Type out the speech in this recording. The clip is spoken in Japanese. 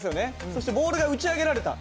そしてボールが打ち上げられた。